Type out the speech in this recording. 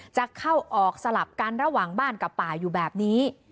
จะเข้าออกสลับกันระหว่างบ้านกับป่าอยู่แบบนี้